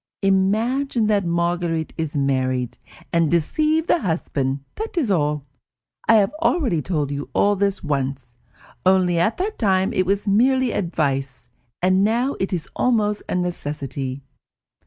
Imagine that Marguerite is married, and deceive the husband; that is all. I have already told you all this once, only at that time it was merely advice, and now it is almost a necessity."